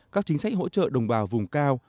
các chính sách hỗ trợ đồng bào vùng cao